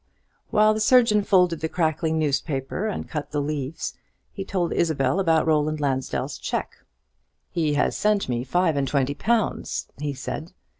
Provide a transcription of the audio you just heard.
While the surgeon folded the crackling newspaper and cut the leaves, he told Isabel about Roland Lansdell's cheque. "He has sent me five and twenty pounds," he said.